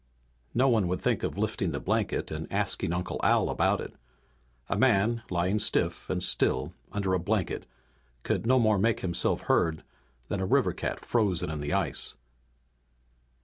No one would think of lifting the blanket and asking Uncle Al about it. A man lying stiff and still under a blanket could no more make himself heard than a river cat frozen in the ice.